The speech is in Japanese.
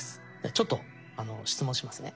ちょっと質問しますね。